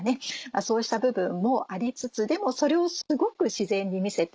そうした部分もありつつでもそれをすごく自然に見せていて。